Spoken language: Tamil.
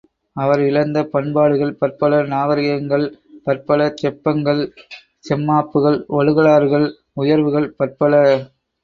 அவர் இழந்த பண்பாடுகள் பற்பல நாகரிகங்கள் பற்பல செப்பங்கள், செம்மாப்புகள், ஒழுகலாறுகள், உயர்வுகள் பற்பல!